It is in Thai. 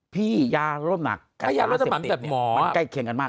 พี่ยารดน้ำหนักกับตาเสกเด็ดมันใกล้เคียงกันมาก